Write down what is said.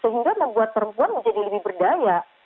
sehingga membuat perempuan menjadi lebih berdaya